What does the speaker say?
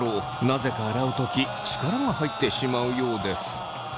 なぜか洗う時力が入ってしまうようです。